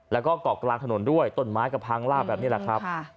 และก็กรอกกลางถนนด้วยต้นไม้กระพังล่าแบบนี้แหละครับ